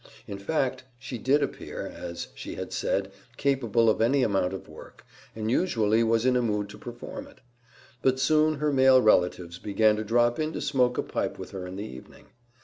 In fact, she did appear, as she had said, capable of any amount of work, and usually was in a mood to perform it; but soon her male relatives began to drop in to smoke a pipe with her in the evening.